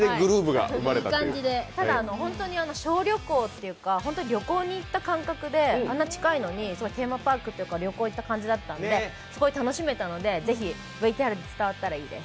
ただ小旅行というか、本当に旅行に行った感覚であんな近いのにテーマパークというか旅行に行った感覚だったのですごい楽しめたのでぜひＶＴＲに伝わったらいいです。